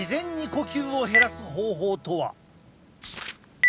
呼吸を減らす方法。